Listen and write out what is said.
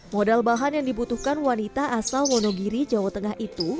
modal bahan yang dibutuhkan wanita asal wonogiri jawa tengah itu